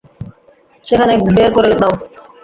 সেটাকে বের করে দেও।